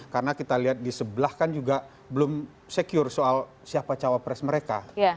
karena kita lihat di sebelah kan juga belum secure soal siapa cawapres mereka